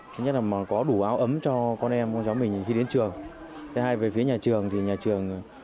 chỉ đạo cho các y tế nhà trường tiếp tục theo dõi